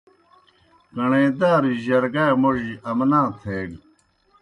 کݨے دارُجیْ جرگائے موڙِجیْ امنا تھیگہ۔